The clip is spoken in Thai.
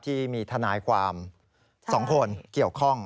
ที่มีทนายความ๒คนเกี่ยวข้อง